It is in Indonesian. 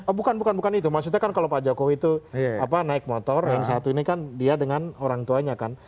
oh bukan bukan itu maksudnya kan kalau pak jokowi itu naik motor yang satu ini kan dia dengan orang tuanya kan